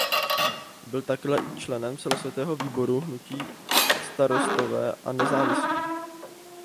Byl také členem celostátního výboru hnutí Starostové a nezávislí.